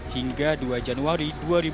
hingga dua januari dua ribu dua puluh